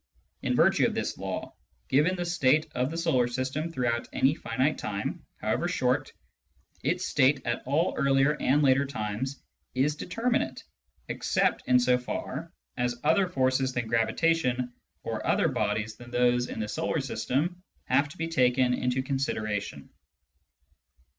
In virtue of this law, given the state of the solar system throughout any finite time, however short, its state at all Digitized by Google ON THE NOTION OF CAUSE 219 earlier and later times is determinate except in so far as other forces than gravitation or other bodies than those in the solar system have to be taken into consideration.